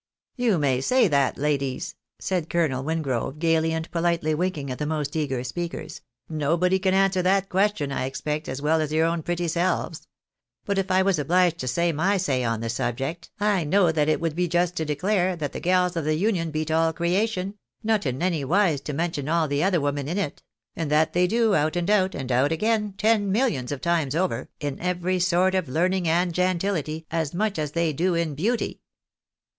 " You may say that, ladies !" said Colonel Wingrove, gaily and politely winking at the most eager speakers ;" nobody can answer that question, I expect, as well as your own pretty selves. But if I was obliged to say my say on the subject, I know that it would just be to declare, tliat the gals of the Union beat all creation —■ not in any wise to mention all the other women in it ; and that they do, out and out, and out again, ten millions of times over, in every sort of learning and gentility, as much as they do in beauty."